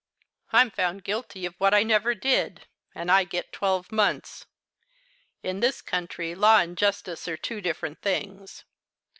I'm found guilty of what I never did, and I get twelve months. In this country law and justice are two different things.